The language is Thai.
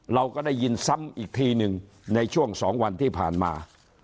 เราก็ได้ยินซ้ำอีกทีหนึ่งในช่วง๒วันที่ผ่านมา